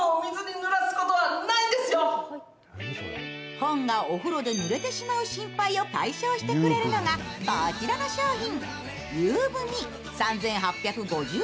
本がお風呂でぬれてしまう心配を解消してくれるのがこちらの商品。